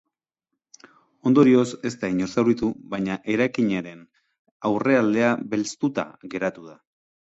Ondorioz ez da inor zauritu, baina eraikinaren aurrealdea belztuta geratu da.